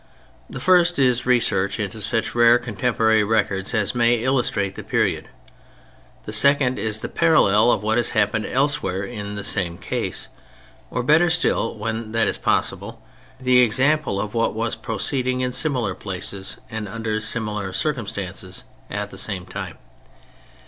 The first is research into such rare contemporary records as may illustrate the period: the second is the parallel of what has happened elsewhere in the same case, or better still (when that is possible) the example of what was proceeding in similar places and under similar circumstances at the same time.